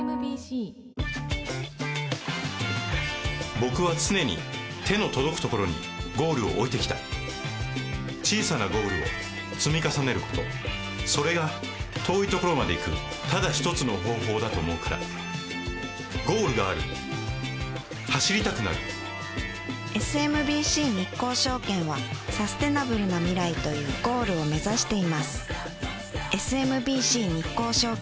僕は常に手の届くところにゴールを置いてきた小さなゴールを積み重ねることそれが遠いところまで行くただ一つの方法だと思うからゴールがある走りたくなるＳＭＢＣ日興証券はサステナブルな未来というゴールを目指していますＳＭＢＣ日興証券